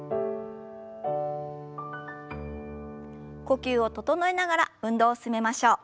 呼吸を整えながら運動を進めましょう。